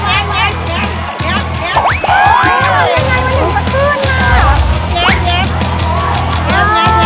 ยังอย่างนั้นตัวตื่นอ่ะ